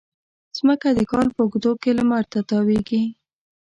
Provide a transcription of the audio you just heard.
مځکه د کال په اوږدو کې لمر ته تاوېږي.